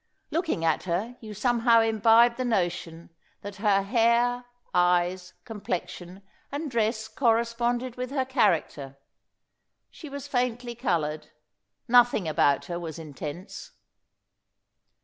Looking at her, you somehow imbibed the notion that her hair, eyes, complexion, and dress corresponded with her character. She was faintly coloured. Nothing about her was intense.